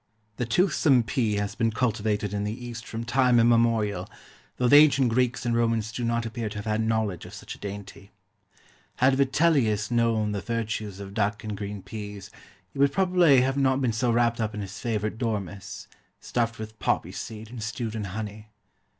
The toothsome PEA has been cultivated in the East from time immemorial, though the ancient Greeks and Romans do not appear to have had knowledge of such a dainty. Had Vitellius known the virtues of duck and green peas he would probably have not been so wrapt up in his favourite dormice, stuffed with poppy seed and stewed in honey.